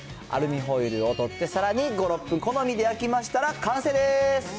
アルミホイルを取ってさらに５、６分、好みで焼きましたら、完成です。